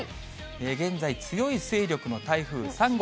現在、強い勢力の台風３号。